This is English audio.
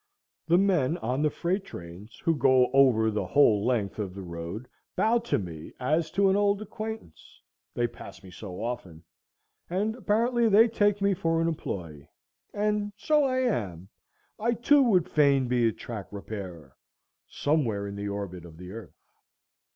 The men on the freight trains, who go over the whole length of the road, bow to me as to an old acquaintance, they pass me so often, and apparently they take me for an employee; and so I am. I too would fain be a track repairer somewhere in the orbit of the earth.